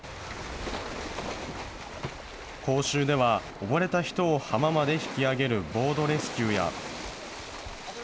講習では溺れた人を浜まで引き上げるボードレスキューや。